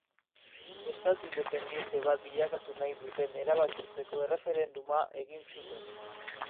Estatu independiente bat bilakatu nahi duten erabakitzeko erreferenduma egin zuten.